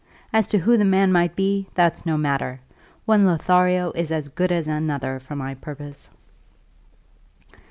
As to who the man might be, that's no matter; one Lothario is as good as another for my purpose."